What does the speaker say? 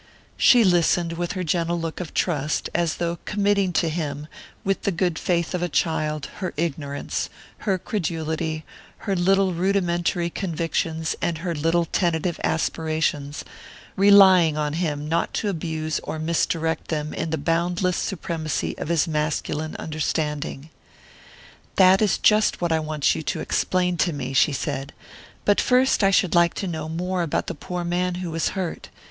She listened with her gentle look of trust, as though committing to him, with the good faith of a child, her ignorance, her credulity, her little rudimentary convictions and her little tentative aspirations, relying on him not to abuse or misdirect them in the boundless supremacy of his masculine understanding. "That is just what I want you to explain to me," she said. "But first I should like to know more about the poor man who was hurt.